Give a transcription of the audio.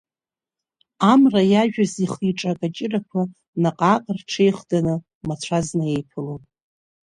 Амра иажәыз ихы-иҿы акаҷырақәа наҟ-ааҟ рҽеихданы мацәазны еиԥылон…